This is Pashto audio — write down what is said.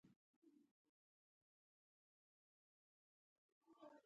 احمد؛ علي اوسار کړی دی او له خبرې څخه يې نه اوړي.